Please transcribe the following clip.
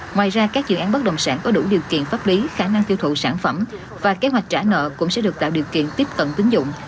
ngoài ra các dự án bất động sản có đủ điều kiện pháp lý khả năng tiêu thụ sản phẩm và kế hoạch trả nợ cũng sẽ được tạo điều kiện tiếp cận tín dụng